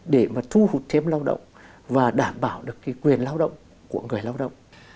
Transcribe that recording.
để mà thu hút thêm lao động và đảm bảo được cái quyền lao động của người lao động